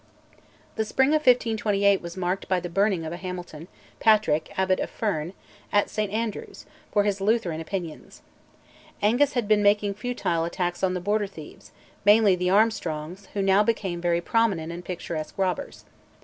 The spring of 1528 was marked by the burning of a Hamilton, Patrick, Abbot of Ferne, at St Andrews, for his Lutheran opinions. Angus had been making futile attacks on the Border thieves, mainly the Armstrongs, who now became very prominent and picturesque robbers.